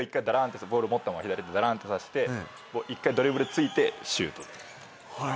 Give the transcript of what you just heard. ボールを持ったまま左手だらんとさして１回ドリブルついてシュート。